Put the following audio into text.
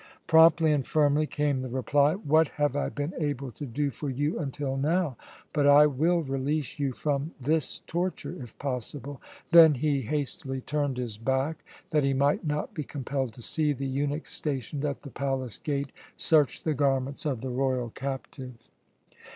Promptly and firmly came the reply: "What have I been able to do for you until now? But I will release you from this torture, if possible." Then he hastily turned his back, that he might not be compelled to see the eunuchs stationed at the palace gate search the garments of the royal captive.